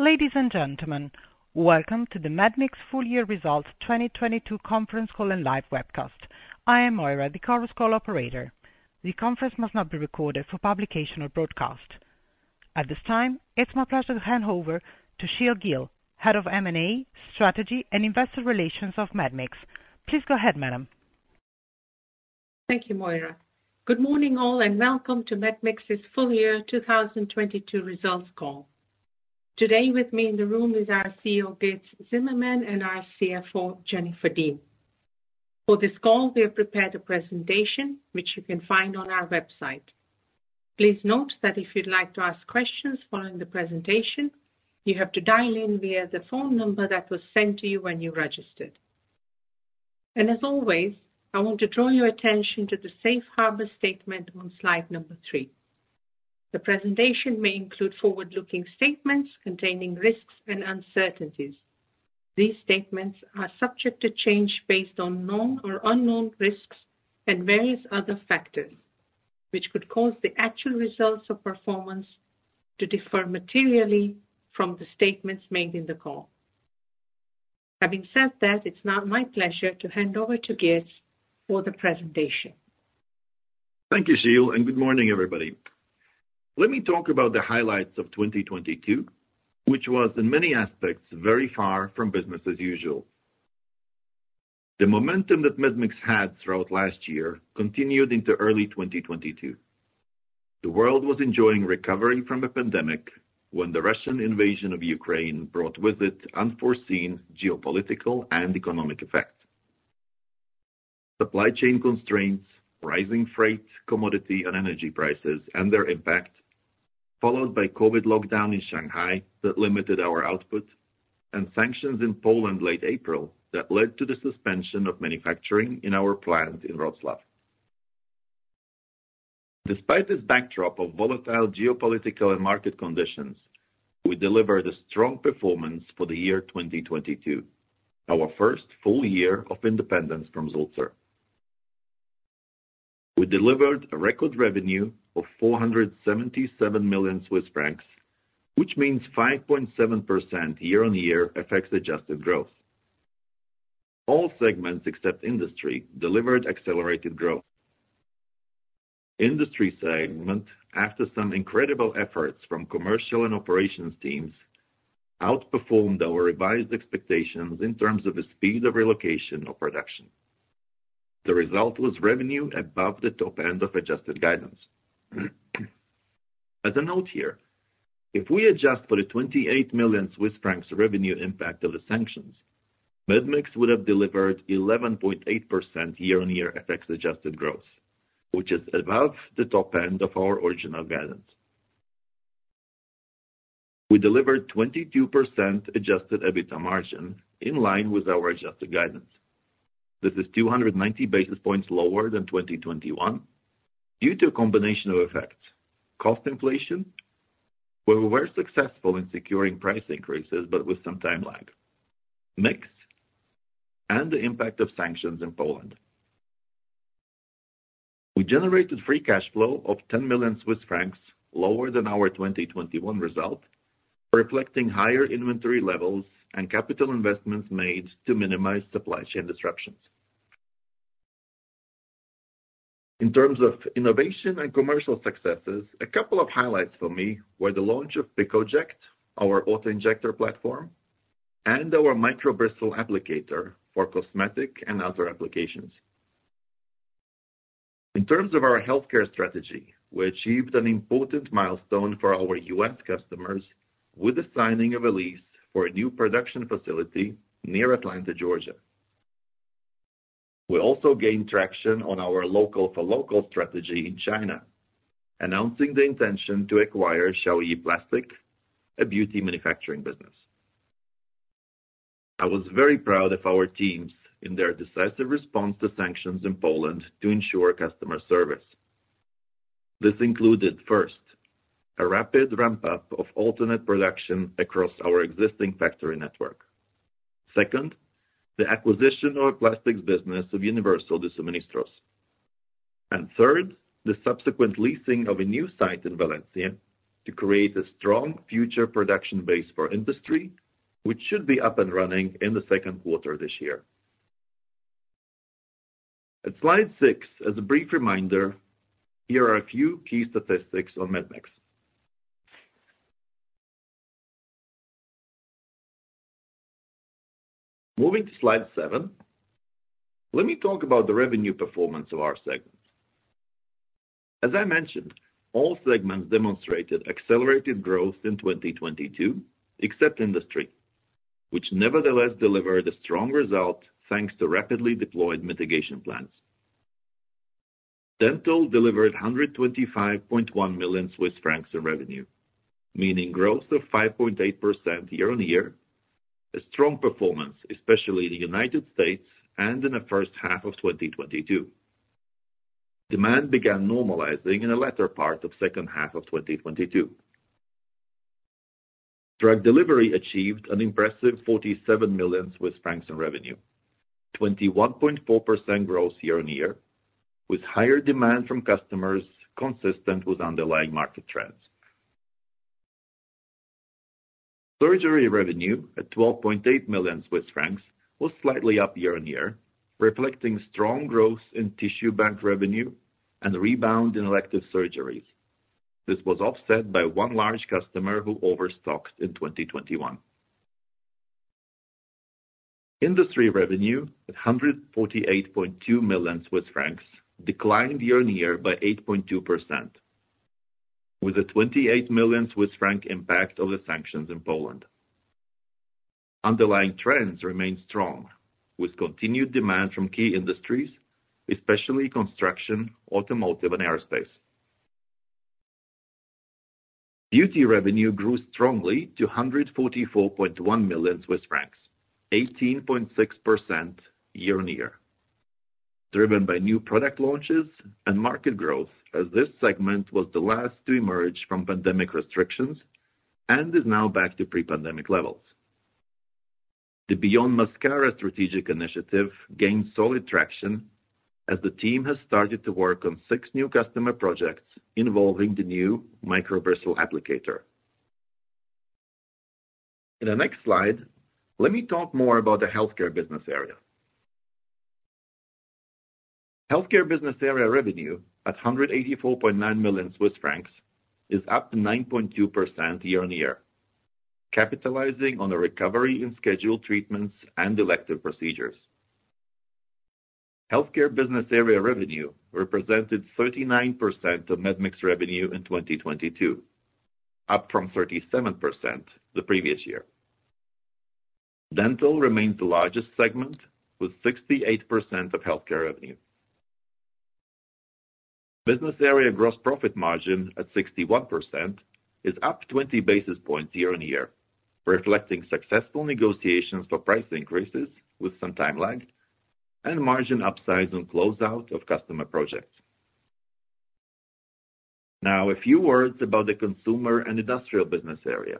Ladies and gentlemen, welcome to the Medmix full year results 2022 conference call and live webcast. I am Moira, the Chorus Call operator. The conference must not be recorded for publication or broadcast. At this time, it is my pleasure to hand over to Sheel Gill, Head of M&A, Strategy, and Investor Relations of Medmix. Please go ahead, madam. Thank you, Moira. Good morning, all, and welcome to Medmix's Full Year 2022 results call. Today with me in the room is our CEO, Girts Cimermans, and our CFO, Jennifer Dean. For this call, we have prepared a presentation which you can find on our website. Please note that if you'd like to ask questions following the presentation, you have to dial in via the phone number that was sent to you when you registered. As always, I want to draw your attention to the Safe Harbor statement on slide number three. The presentation may include forward-looking statements containing risks and uncertainties. These statements are subject to change based on known or unknown risks and various other factors, which could cause the actual results or performance to differ materially from the statements made in the call. Having said that, it's now my pleasure to hand over to Girts for the presentation. Thank you, Sheel Gill, and good morning, everybody. Let me talk about the highlights of 2022, which was in many aspects, very far from business as usual. The momentum that Medmix had throughout last year continued into early 2022. The world was enjoying recovery from a pandemic when the Russian invasion of Ukraine brought with it unforeseen geopolitical and economic effects. Supply chain constraints, rising freight, commodity and energy prices and their impact, followed by COVID lockdown in Shanghai that limited our output and sanctions in Poland late April that led to the suspension of manufacturing in our plant in Wroclaw. Despite this backdrop of volatile geopolitical and market conditions, we delivered a strong performance for the year 2022, our first full year of independence from Sulzer. We delivered a record revenue of 477 million Swiss francs, which means 5.7% year-on-year FX-adjusted growth. All segments except industry delivered accelerated growth. Industry segment, after some incredible efforts from commercial and operations teams, outperformed our revised expectations in terms of the speed of relocation of production. The result was revenue above the top end of adjusted guidance. As a note here, if we adjust for the 28 million Swiss francs revenue impact of the sanctions, Medmix would have delivered 11.8% year-on-year FX adjusted growth, which is above the top end of our original guidance. We delivered 22% adjusted EBITDA margin in line with our adjusted guidance. This is 290 basis points lower than 2021 due to a combination of effects. Cost inflation, where we were successful in securing price increases, but with some time lag. Mix and the impact of sanctions in Poland. We generated free cash flow of 10 million Swiss francs, lower than our 2021 result, reflecting higher inventory levels and capital investments made to minimize supply chain disruptions. In terms of innovation and commercial successes, a couple of highlights for me were the launch of PiccoJect, our auto-injector platform, and our micro-bristle applicator for cosmetic and other applications. In terms of our healthcare strategy, we achieved an important milestone for our U.S. customers with the signing of a lease for a new production facility near Atlanta, Georgia. We also gained traction on our local for local strategy in China, announcing the intention to acquire Qiaoyi Plastic, a beauty manufacturing business. I was very proud of our teams in their decisive response to sanctions in Poland to ensure customer service. This included,1st, a rapid ramp-up of alternate production across our existing factory network. 2nd, the acquisition of a plastics business of Universal de Suministros. 3rd, the subsequent leasing of a new site in Valencia to create a strong future production base for industry, which should be up and running in the second quarter this year. Slide six, as a brief reminder, here are a few key statistics on Medmix. Slide seven, let me talk about the revenue performance of our segments. I mentioned, all segments demonstrated accelerated growth in 2022, except industry, which nevertheless delivered a strong result thanks to rapidly deployed mitigation plans. Dental delivered 125.1 million Swiss francs in revenue, meaning growth of 5.8% year-on-year, a strong performance, especially in the United States and in the first half of 2022. Demand began normalizing in the latter part of second half of 2022. Drug delivery achieved an impressive 47 million Swiss francs in revenue. 21.4% growth year-on-year, with higher demand from customers consistent with underlying market trends. Surgery revenue at 12.8 million Swiss francs was slightly up year-on-year, reflecting strong growth in tissue bank revenue and rebound in elective surgeries. This was offset by one large customer who overstocked in 2021. Industry revenue at 148.2 million Swiss francs declined year-on-year by 8.2%, with a 28 million Swiss franc impact of the sanctions in Poland. Underlying trends remain strong, with continued demand from key industries, especially construction, automotive, and aerospace. Beauty revenue grew strongly to 144.1 million Swiss francs, 18.6% year-on-year, driven by new product launches and market growth as this segment was the last to emerge from pandemic restrictions and is now back to pre-pandemic levels. The Beyond Mascara strategic initiative gained solid traction as the team has started to work on six new customer projects involving the new microbrush applicator. In the next slide, let me talk more about the healthcare business area. Healthcare business area revenue at 184.9 million Swiss francs is up 9.2% year-on-year, capitalizing on a recovery in scheduled treatments and elective procedures. Healthcare business area revenue represented 39% of Medmix revenue in 2022, up from 37% the previous year. Dental remains the largest segment with 68% of healthcare revenue. Business area gross profit margin at 61% is up 20 basis points year-on-year, reflecting successful negotiations for price increases with some time lag and margin upsides on closeout of customer projects. Now a few words about the consumer and industrial business area.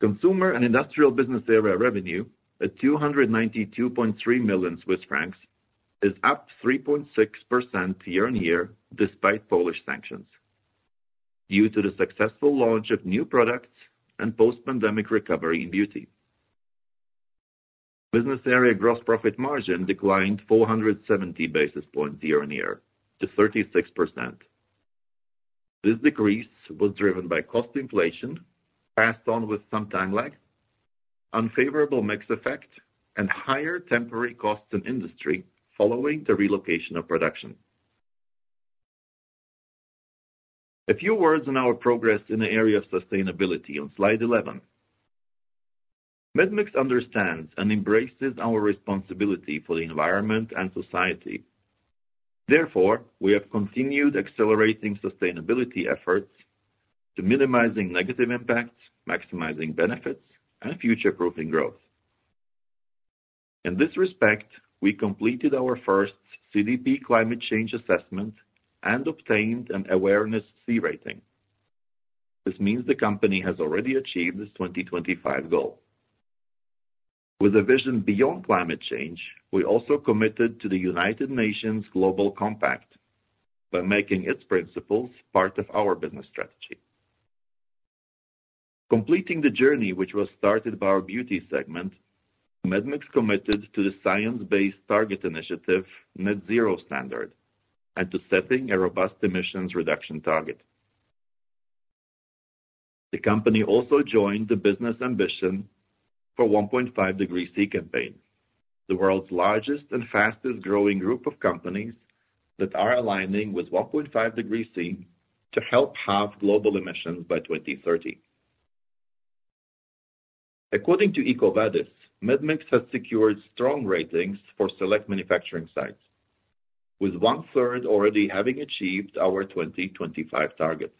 Consumer and industrial business area revenue at 292.3 million Swiss francs is up 3.6% year-on-year despite Polish sanctions due to the successful launch of new products and post-pandemic recovery in beauty. Business area gross profit margin declined 470 basis points year-on-year to 36%. This decrease was driven by cost inflation passed on with some time lag, unfavorable mix effect, and higher temporary costs in industry following the relocation of production. A few words on our progress in the area of sustainability on slide 11. Medmix understands and embraces our responsibility for the environment and society. Therefore, we have continued accelerating sustainability efforts to minimizing negative impacts, maximizing benefits, and future-proofing growth. In this respect, we completed our first CDP climate change assessment and obtained an awareness C rating. This means the company has already achieved its 2025 goal. With a vision beyond climate change, we also committed to the United Nations Global Compact by making its principles part of our business strategy. Completing the journey which was started by our beauty segment, Medmix committed to the Science Based Targets initiative Net-Zero Standard and to setting a robust emissions reduction target. The company also joined the Business Ambition for 1.5 degree C campaign, the world's largest and fastest-growing group of companies that are aligning with 1.5 degree C to help halve global emissions by 2030. According to EcoVadis, Medmix has secured strong ratings for select manufacturing sites, with 1/3 already having achieved our 2025 targets.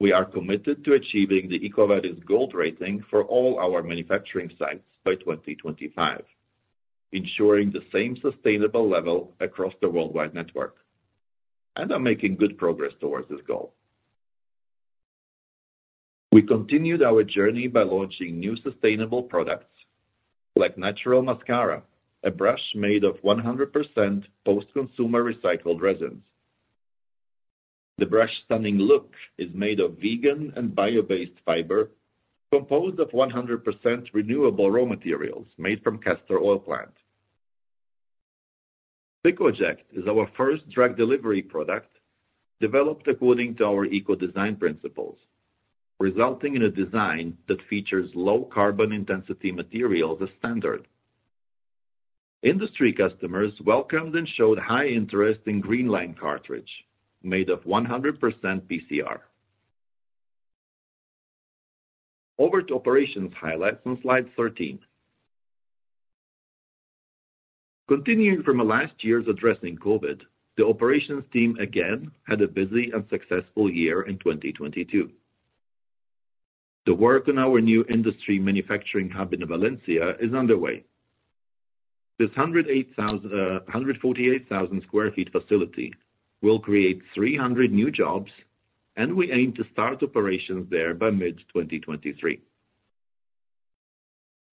We are committed to achieving the EcoVadis Gold rating for all our manufacturing sites by 2025, ensuring the same sustainable level across the worldwide network, and are making good progress towards this goal. We continued our journey by launching new sustainable products like Natural Mascara, a brush made of 100% post-consumer recycled resins. The brush stunning look is made of vegan and bio-based fiber composed of 100% renewable raw materials made from castor oil plant. PiccoJect is our first drug delivery product developed according to our ecodesign principles, resulting in a design that features low carbon intensity material as standard. Industry customers welcomed and showed high interest in GreenLine cartridge made of 100% PCR. Over to operations highlights on slide 13. Continuing from last year's addressing COVID, the operations team again had a busy and successful year in 2022. The work on our new industry manufacturing hub in Valencia is underway. This 148,000 sq ft facility will create 300 new jobs, and we aim to start operations there by mid-2023.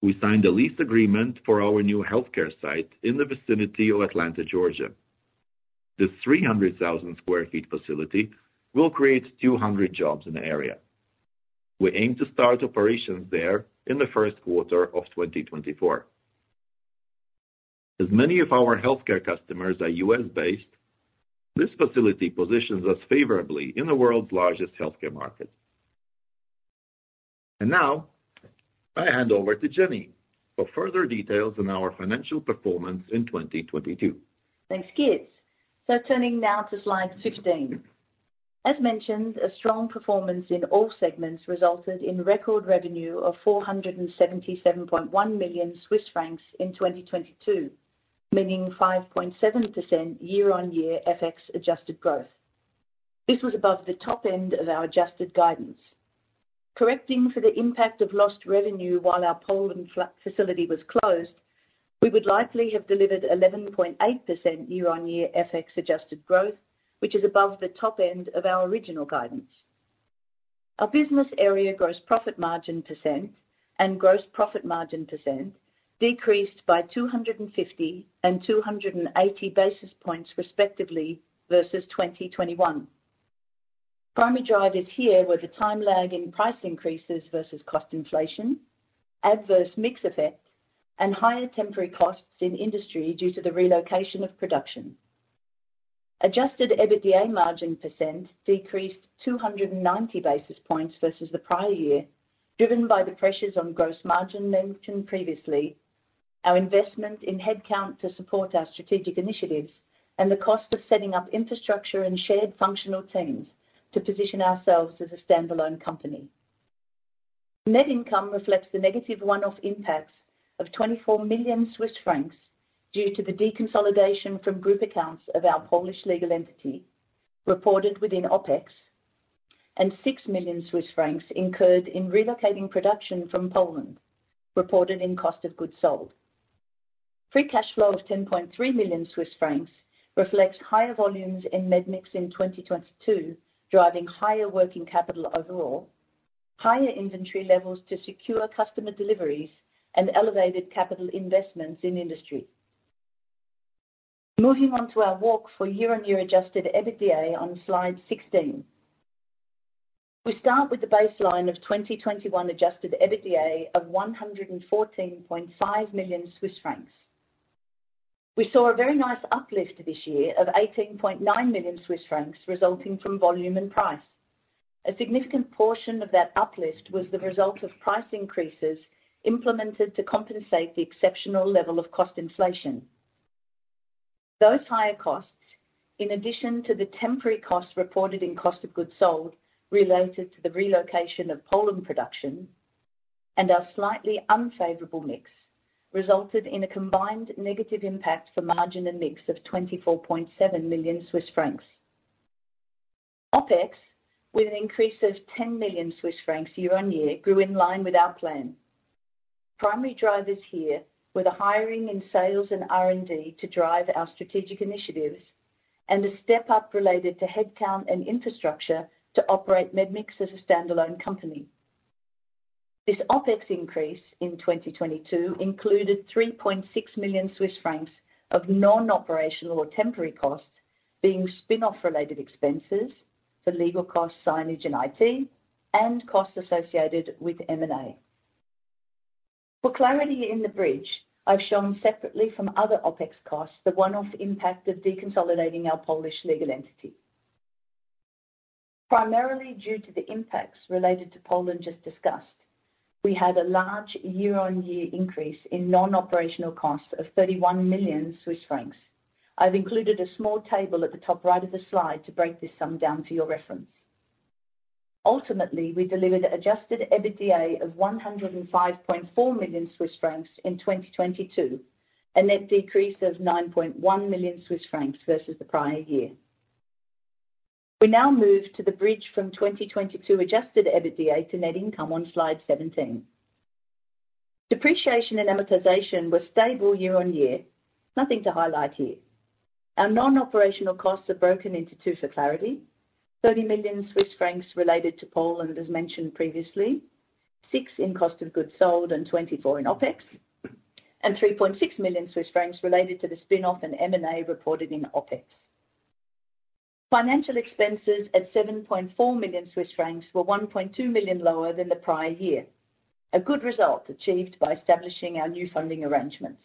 We signed a lease agreement for our new healthcare site in the vicinity of Atlanta, Georgia. This 300,000 sq ft facility will create 200 jobs in the area. We aim to start operations there in the first quarter of 2024. As many of our healthcare customers are U.S.-based, this facility positions us favorably in the world's largest healthcare market. Now I hand over to Jenny for further details on our financial performance in 2022. Thanks, Girts. Turning now to slide 16. As mentioned, a strong performance in all segments resulted in record revenue of 477.1 million Swiss francs in 2022, meaning 5.7% year-on-year FX adjusted growth. This was above the top end of our adjusted guidance. Correcting for the impact of lost revenue while our Poland facility was closed, we would likely have delivered 11.8% year-on-year FX adjusted growth, which is above the top end of our original guidance. Our business area gross profit margin % and gross profit margin % decreased by 250 and 280 basis points, respectively, versus 2021. Primary drivers here were the time lag in price increases versus cost inflation, adverse mix effects, and higher temporary costs in industry due to the relocation of production. Adjusted EBITDA margin percent decreased 290 basis points versus the prior year, driven by the pressures on gross margin mentioned previously, our investment in headcount to support our strategic initiatives, and the cost of setting up infrastructure and shared functional teams to position ourselves as a standalone company. Net income reflects the negative one-off impacts of 24 million Swiss francs due to the deconsolidation from group accounts of our Polish legal entity reported within OpEx, and 6 million Swiss francs incurred in relocating production from Poland, reported in cost of goods sold. Free cash flow of 10.3 million Swiss francs reflects higher volumes in Medmix in 2022, driving higher working capital overall, higher inventory levels to secure customer deliveries, and elevated capital investments in industry. Moving on to our walk for year-on-year adjusted EBITDA on slide 16. We start with the baseline of 2021 adjusted EBITDA of 114.5 million Swiss francs. We saw a very nice uplift this year of 18.9 million Swiss francs resulting from volume and price. A significant portion of that uplift was the result of price increases implemented to compensate the exceptional level of cost inflation. Those higher costs, in addition to the temporary costs reported in cost of goods sold related to the relocation of Poland production and our slightly unfavorable mix, resulted in a combined negative impact for margin and mix of 24.7 million Swiss francs. OpEx, with an increase of 10 million Swiss francs year-on-year, grew in line with our plan. Primary drivers here were the hiring in sales and R&D to drive our strategic initiatives and a step-up related to headcount and infrastructure to operate Medmix as a standalone company. This OpEx increase in 2022 included 3.6 million Swiss francs of non-operational or temporary costs being spin-off related expenses for legal costs, signage, and IT, and costs associated with M&A. For clarity in the bridge, I've shown separately from other OpEx costs the one-off impact of deconsolidating our Polish legal entity. Primarily due to the impacts related to Poland just discussed, we had a large year-on-year increase in non-operational costs of 31 million Swiss francs. I've included a small table at the top right of the slide to break this sum down for your reference. Ultimately, we delivered adjusted EBITDA of 105.4 million Swiss francs in 2022, a net decrease of 9.1 million Swiss francs versus the prior year. We now move to the bridge from 2022 adjusted EBITDA to net income on slide 17. Depreciation and amortization were stable year-on-year. Nothing to highlight here. Our non-operational costs are broken into two for clarity. 30 million Swiss francs related to Poland, as mentioned previously, six in cost of goods sold and 24 in OpEx, and 3.6 million Swiss francs related to the spin-off and M&A reported in OpEx. Financial expenses at 7.4 million Swiss francs were 1.2 million lower than the prior year, a good result achieved by establishing our new funding arrangements.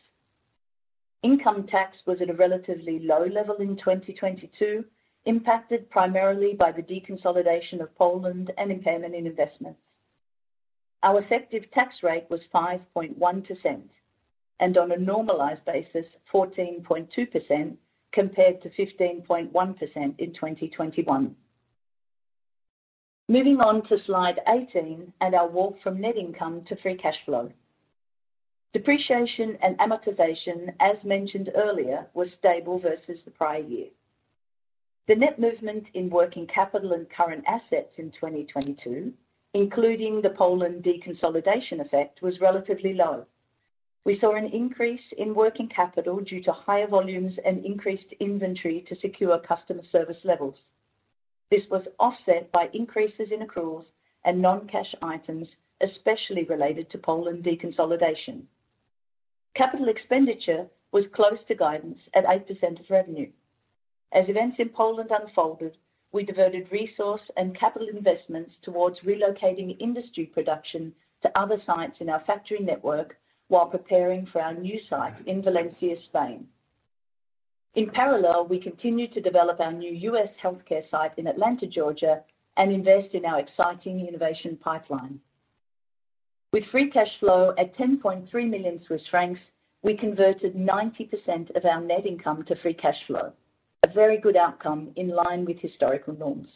Income tax was at a relatively low level in 2022, impacted primarily by the deconsolidation of Poland and impairment in investments. Our effective tax rate was 5.1% and on a normalized basis, 14.2% compared to 15.1% in 2021. Moving on to slide 18 and our walk from net income to free cash flow. Depreciation and amortization, as mentioned earlier, were stable versus the prior year. The net movement in working capital and current assets in 2022, including the Poland deconsolidation effect, was relatively low. We saw an increase in working capital due to higher volumes and increased inventory to secure customer service levels. This was offset by increases in accruals and non-cash items, especially related to Poland deconsolidation. Capital expenditure was close to guidance at 8% of revenue. As events in Poland unfolded, we diverted resource and capital investments towards relocating industry production to other sites in our factory network while preparing for our new site in Valencia, Spain. In parallel, we continued to develop our new US healthcare site in Atlanta, Georgia, and invest in our exciting innovation pipeline. With free cash flow at 10.3 million Swiss francs, we converted 90% of our net income to free cash flow, a very good outcome in line with historical norms.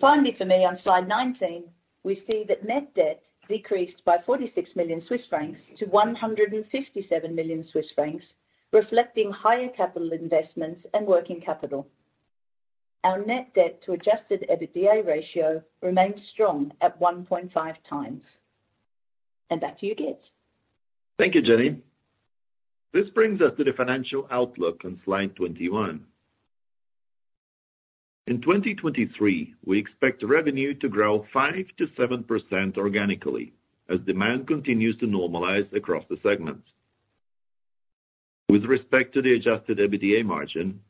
Finally for me on slide 19, we see that net debt decreased by 46 million Swiss francs to 157 million Swiss francs, reflecting higher capital investments and working capital. Our net debt to adjusted EBITDA ratio remains strong at 1.5x. Back to you, Gits. Thank you, Jenny. This brings us to the financial outlook on slide 21. In 2023, we expect revenue to grow 5%-7% organically as demand continues to normalize across the segments. With respect to the adjusted EBITDA margin,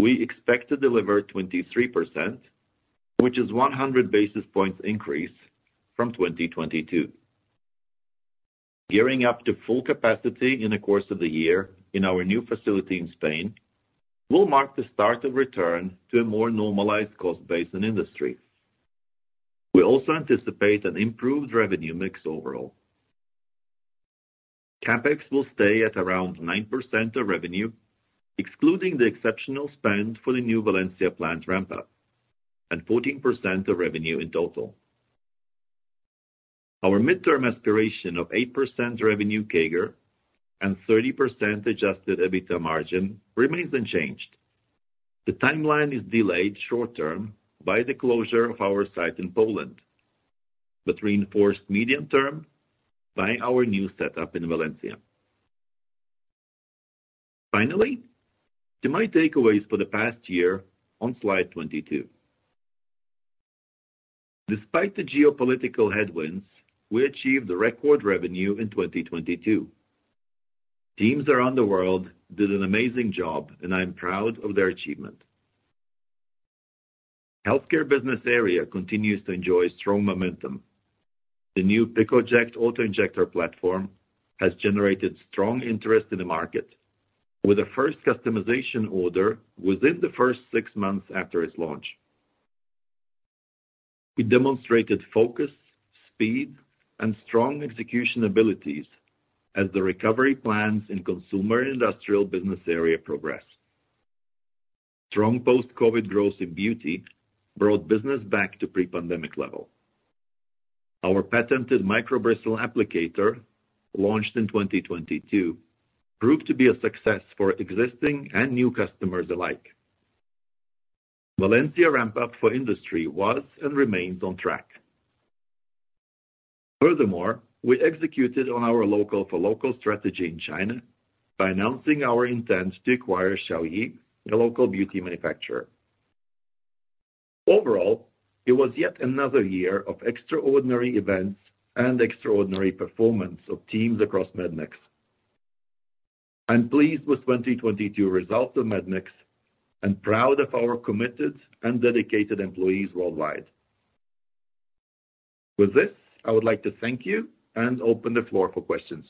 we expect to deliver 23%, which is 100 basis points increase from 2022. Gearing up to full capacity in the course of the year in our new facility in Spain will mark the start of return to a more normalized cost base in industry. We also anticipate an improved revenue mix overall. CapEx will stay at around 9% of revenue, excluding the exceptional spend for the new Valencia plant ramp up, and 14% of revenue in total. Our midterm aspiration of 8% revenue CAGR and 30% adjusted EBITDA margin remains unchanged. The timeline is delayed short term by the closure of our site in Poland, but reinforced medium-term by our new setup in Valencia. Finally, to my takeaways for the past year on slide 22. Despite the geopolitical headwinds, we achieved a record revenue in 2022. Teams around the world did an amazing job, and I am proud of their achievement. Healthcare business area continues to enjoy strong momentum. The new PiccoJect auto-injector platform has generated strong interest in the market with the first customization order within the first 6 months after its launch. We demonstrated focus, speed, and strong execution abilities as the recovery plans in consumer and industrial business area progressed. Strong post-COVID growth in beauty brought business back to pre-pandemic level. Our patented micro-bristle applicator, launched in 2022, proved to be a success for existing and new customers alike. Valencia ramp up for industry was and remains on track. We executed on our local for local strategy in China by announcing our intent to acquire Qiaoyi, a local beauty manufacturer. It was yet another year of extraordinary events and extraordinary performance of teams across Medmix. I'm pleased with 2022 results of Medmix and proud of our committed and dedicated employees worldwide. With this, I would like to thank you and open the floor for questions.